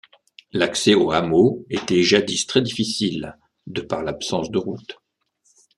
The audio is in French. L'accès au hameau était jadis très difficile de par l'absence de route.